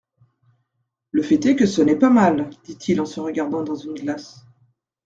Le fait est que ce n'est pas mal, dit-il en se regardant dans une glace.